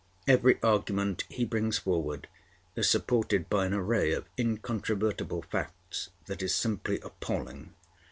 Every argument he brings forward is supported by an array of incontrovertible facts that is simply appalling.